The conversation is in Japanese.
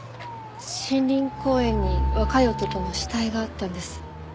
森林公園に若い男の死体があったんです。